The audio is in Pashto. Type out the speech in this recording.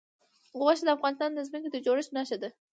غوښې د افغانستان د ځمکې د جوړښت نښه ده.